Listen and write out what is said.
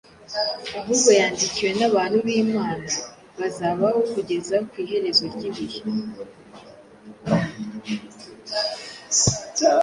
ahubwo yandikiwe n’abantu b’Imana bazabaho kugeza ku iherezo ry’ibihe.